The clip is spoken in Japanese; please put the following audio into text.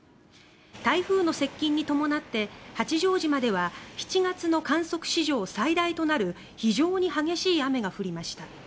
台風の接近に伴って、八丈島では７月の観測史上最大となる非常に激しい雨が降りました。